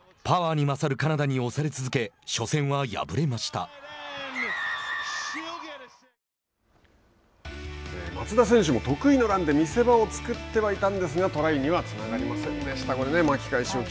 しかし、その後はパワーに勝るカナダに押され続け松田選手も得意のランで見せ場を作ってはいたんですがトライにはつながりませんでした。